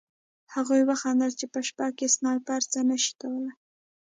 هغوی وخندل چې په شپه کې سنایپر څه نه شي کولی